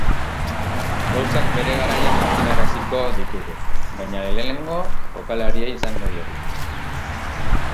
Gauzak bere garaian jakinaraziko ditugu, baina lehenengo jokalariei esango diegu.